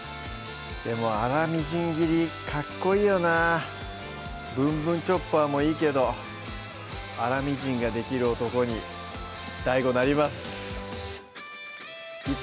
粗みじん切りかっこいいよな「ぶんぶんチョッパー」もいいけど粗みじんができる男にＤＡＩＧＯなります